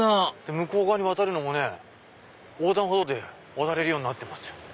向こう側に渡るのも横断歩道で渡れるようになってますよ。